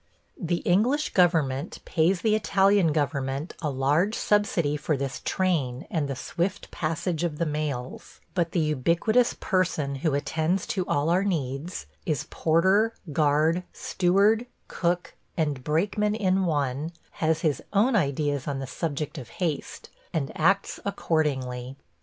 ... The English government pays the Italian government a large subsidy for this train and the swift passage of the mails, but the ubiquitous person who attends to all our needs – is porter, guard, steward, cook, and brakeman in one – has his own ideas on the subject of haste, and acts accordingly.